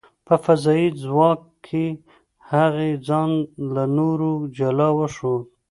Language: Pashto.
په فضايي ځواک کې، هغې ځان له نورو جلا وښود .